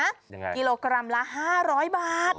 ยังไงกิโลกรัมละ๕๐๐บาท